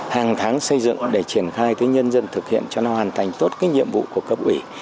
hàng tháng xây dựng để triển khai tới nhân dân thực hiện cho nó hoàn thành tốt cái nhiệm vụ của cấp ủy